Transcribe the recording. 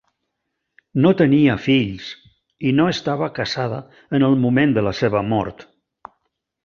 No tenia fills i no estava casada en el moment de la seva mort.